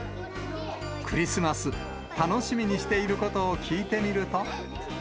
クリスマス、楽しみにしていることを聞いてみると。